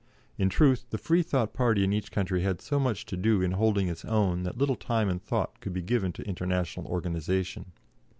In truth, the Freethought party in each country had so much to do in holding its own that little time and thought could be given to international organisation.